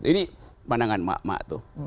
ini pandangan mak mak